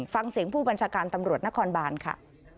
ฟังเสียงผู้บัญชาการตำรวจนครบานค่ะ